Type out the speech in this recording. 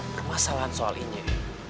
permasalahan soal inja ini